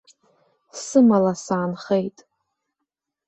Сымала саанхеит!